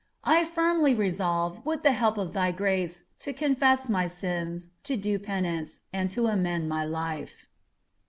I firmly resolve, with the help of Thy grace, to confess my sins, to do penance, and to amend my life.